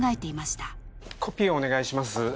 コピーをお願いします。